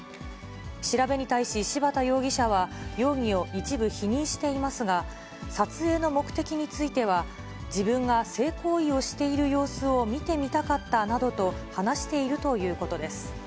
調べに対し、柴田容疑者は、容疑を一部否認していますが、撮影の目的については、自分が性行為をしている様子を見てみたかったなどと、話しているということです。